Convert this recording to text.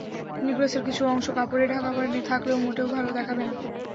নেকলেসের কিছু অংশ কাপড়ে ঢাকা পড়ে থাকলে মোটেও ভালো দেখাবে না।